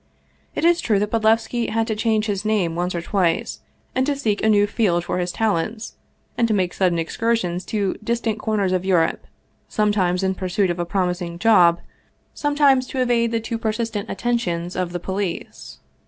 It is true that Bod levski had to change his name once or twice and to seek a new field for his talents, and to make sudden excursions to distant corners of Europe sometimes in pursuit of a promising " job," sometimes to evade the too persistent at 207 Russian Mystery Stories tentions of the police.